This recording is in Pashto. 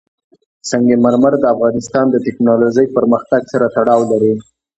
سنگ مرمر د افغانستان د تکنالوژۍ پرمختګ سره تړاو لري.